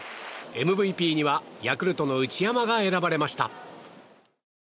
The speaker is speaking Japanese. ＭＶＰにはヤクルトの内山が選ばれました。